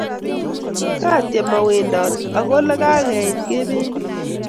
ka tyem a wendat ako ole kaki it kebendi